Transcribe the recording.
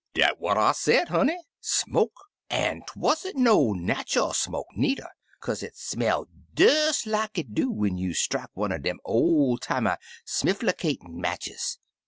"Dat what I said, honey. Smoke! an' 'twan't no nachal smoke needer, kaze it smell des like it do when you strike one er de ol' timey, smifflicatin' matches.